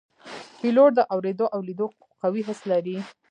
پیلوټ د اوریدو او لیدو قوي حس لري.